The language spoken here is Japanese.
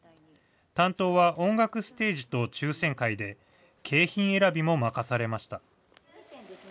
担当は音楽ステージと抽せん会で、景品選びも任されました。